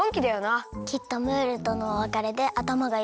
きっとムールとのおわかれであたまがいっぱいだったんだよ。